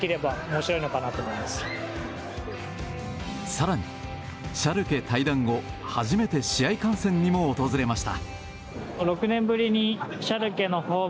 更に、シャルケ退団後初めて試合観戦にも訪れました。